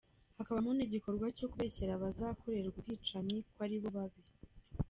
Hakabamo n’igikorwa cyo kubeshyera abazakorerwa ubwicanyi ko ari bo babi.